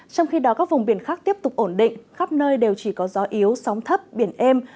trong khi đó các vùng biển khác tiếp tục ổn định khắp nơi đều chỉ có gió yếu sóng thấp biển êm